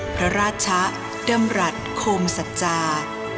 พระราชะดำรัฐโคมสัจจา